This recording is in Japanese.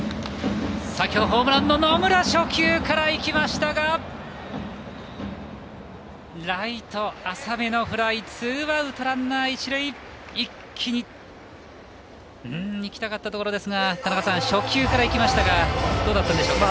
先ほどホームランの野村初球からいきましたがライト浅めのフライツーアウトランナー一塁一気にいきたかったところですが田中さん、初球からいきましたがどうだったんでしょうか。